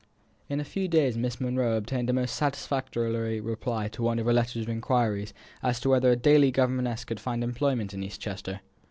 In a few days Miss Monro obtained a most satisfactory reply to her letter of inquiries as to whether a daily governess could find employment in East Chester.